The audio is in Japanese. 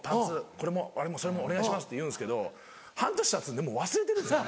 これもあれもお願いします」って言うんですけど半年たつんでもう忘れてるんですよ。